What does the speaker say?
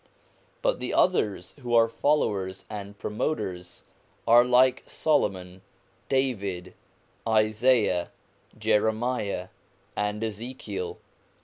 But the others who are followers and promoters are like Solomon, David, Isaiah, Jeremiah, and Ezekiel.